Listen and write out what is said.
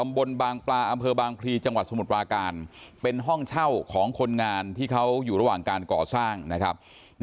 บนบางปลาอำเภอบางพลีจังหวัดสมุทรปราการเป็นห้องเช่าของคนงานที่เขาอยู่ระหว่างการก่อสร้างนะครับ